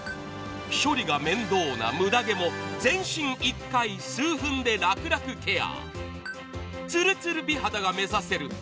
処理が面倒なムダ毛も全身１回、数分で楽々ケア。